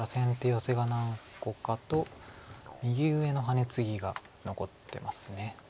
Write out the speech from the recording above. ヨセが何個かと右上のハネツギが残ってます。